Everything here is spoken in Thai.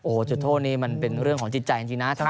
โอ้โหจุดโทษนี้มันเป็นเรื่องของจิตใจจริงนะ